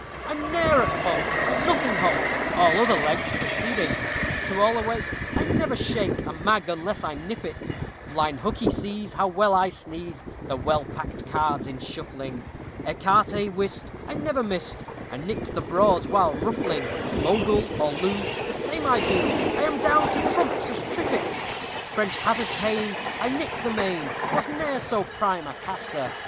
I'm ne'er at fault, at nothing halt, All other legs preceding. To all awake, I never shake A mag unless I nip it. Blind hookey sees how well I squeeze The well packed cards in shuffling. Ecarté, whist, I never missed, A nick the broads while ruffling. Mogul or loo, The same I do, I am down to trumps as trippet! French hazard ta'en, I nick the main, Was ne'er so prime a caster.